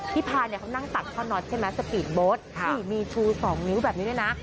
พี่พาเขานั่งตัดข้อน็อตใช่ไหมสปีทโบสต์มีชู๒นิ้วแบบนี้ด้วยนะ